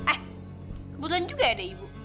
ah kebetulan juga ada ibu